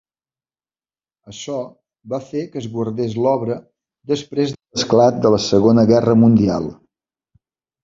Això va fer que es guardés l'obra després de l'esclat de la Segona Guerra Mundial.